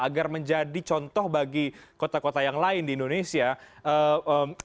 agar menjadi contoh bagi kota kota yang lain di indonesia apa kekuatan ya kita bicara hal yang positif nih